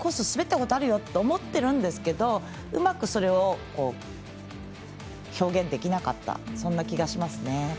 滑ったことあると思っているんですけどうまくそれを表現できなかったそんな気がしますね。